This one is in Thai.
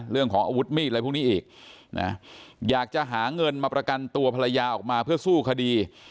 เรื่องของอาวุธมีดอะไรพวกนี้อีกนะอยากจะหาเงินมาประกันตัวภรรยาออกมาเพื่อสู้คดี